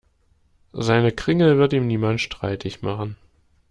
Seine Kringel wird ihm niemand streitig machen.